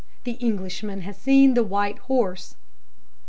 The Englishman has seen the white horse.'